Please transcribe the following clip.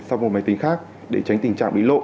sau một máy tính khác để tránh tình trạng bị lộ